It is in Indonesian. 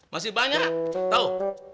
masih banyak tau